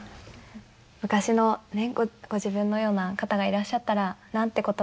昔のご自分のような方がいらっしゃったら何て言葉をかけたいですか？